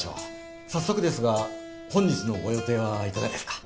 早速ですが本日のご予定はいかがですか？